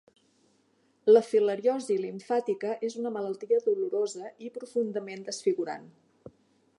La filariosi limfàtica és una malaltia dolorosa i profundament desfigurant.